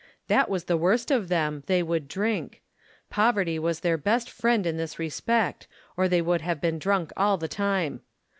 That was the worst of them, they would drink. Poverty was their best friend in this respect, or they would have been drunk all the time.